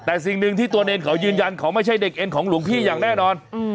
แต่สิ่งหนึ่งตัวเน็นของยืนยันของไม่ใช่เด็กเนของหลุงพี่อย่างแน่นอน